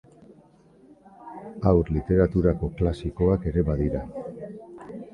Haur literaturako klasikoak ere badira.